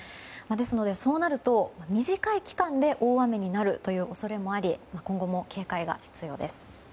ですので、そうなると短い期間で大雨になる恐れもあり今後も警戒が必要です。